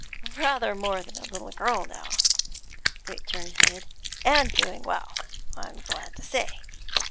'Rather more than a little girl now,' returned Hood. 'And doing well, I'm glad to say.